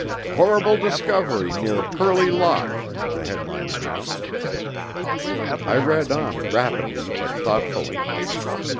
"Horrible Discovery near Purley Lock!" the headline announced. I read on, rapidly, but thoughtfully.